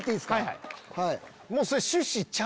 はい。